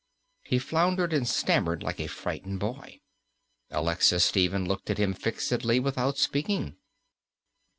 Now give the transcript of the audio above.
He floundered and stammered like a frightened boy. Alexis Stephen looked at him fixedly without speaking.